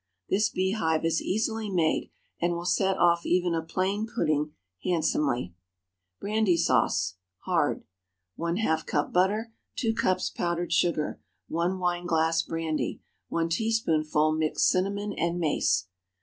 This bee hive is easily made, and will set off even a plain pudding handsomely. BRANDY SAUCE (hard.) ✠ ½ cup butter. 2 cups powdered sugar. 1 wineglass brandy. 1 teaspoonful mixed cinnamon and mace.